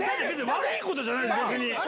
悪いことじゃない、別に。